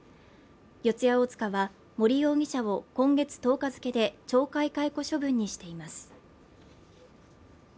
四谷大塚は森容疑者は今月１０日付で懲戒解雇処分にしています